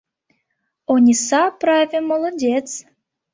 Ониса, праве, молодец...